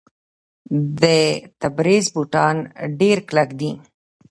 د تبریز بوټان ډیر کلک دي.